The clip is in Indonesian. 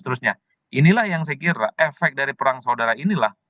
terusnya inilah yang saya kira efek dari perang saudara inilah